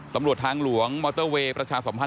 ตำรวจทางหลวงมอเตอร์เวย์ประชาสัมพันธ